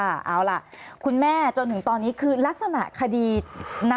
เอาล่ะคุณแม่จนถึงตอนนี้คือลักษณะคดีนะ